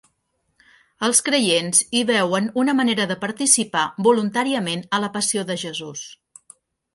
Els creients hi veuen una manera de participar voluntàriament a la passió de Jesús.